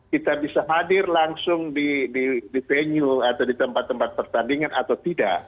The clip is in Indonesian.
kita bisa hadir langsung di venue atau di tempat tempat pertandingan atau tidak